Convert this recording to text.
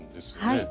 はい。